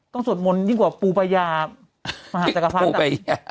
ต้องสวดมนตร์ยิ่งกว่าปูปายา